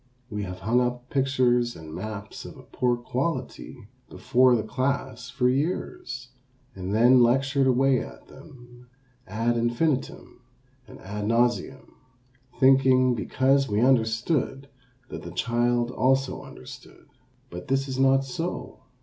We have hung up pictures and maps of a poor quality before the class for years, and then lectured away at them ad infinitum and ad nauseam, thinking, because we understood, that the child also understood. But this is not so.